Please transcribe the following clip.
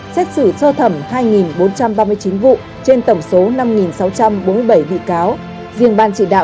xét xử sơ thẩm hai bốn trăm ba mươi chín vụ trên tổng số năm sáu trăm bốn mươi bảy bị cáo